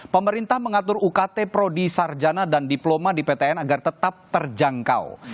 pemerintah mengatur ukt prodi sarjana dan diploma di ptn agar tetap terjangkau